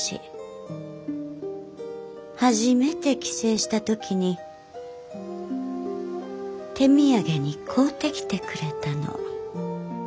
初めて帰省した時に手土産に買うてきてくれたの。